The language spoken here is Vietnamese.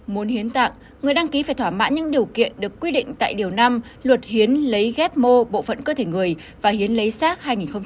muốn hiến tạng người đăng ký phải thỏa mãn những điều kiện được quy định tại điều năm luật hiến lấy ghép mô bộ phận cơ thể người và hiến lấy sát hai nghìn một mươi